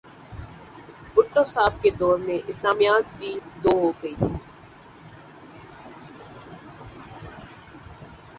بھٹو صاحب کے دور میں اسلامیات بھی دو ہو گئی تھیں۔